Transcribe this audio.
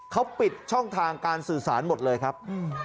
เขาปิดช่องทางการสื่อสารหมดเลยครับ